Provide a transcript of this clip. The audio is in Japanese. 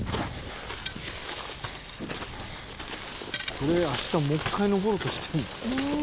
「これ明日もう一回登ろうとしてるの？」